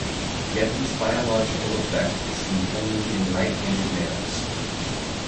Yet this biological effect is seen only in right-handed males.